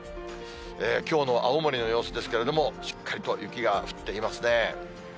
きょうの青森の様子ですけれども、しっかりと雪が降っていますね。